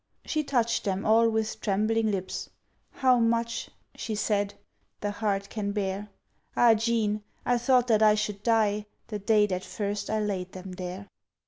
She touched them all with trembling lips "How much," she said, "the heart can bear! Ah, Jean! I thought that I should die The day that first I laid them there.